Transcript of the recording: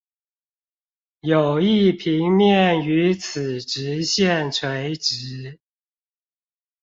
有一平面與此直線垂直